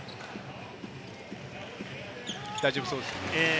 大丈夫そうですね。